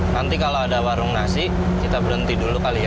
nanti kalau ada warung nasi kita berhenti dulu kali ya